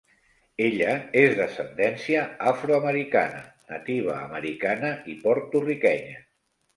Ella és d'ascendència afroamericana, nativa americana i porto-riquenya.